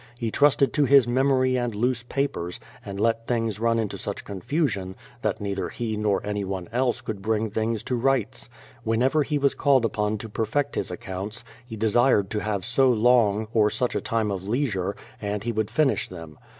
He trusted to his memory and loose papers, and let things run into such confusion, that neither he nor anyone else could bring things to rights. Whenever he was called upon to perfect his accounts, he desired to have so long, or such a time of leisure, and he would finish them.